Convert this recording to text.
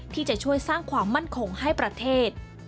ที่จะช่วยสร้างความมั่นคงให้ประเทศ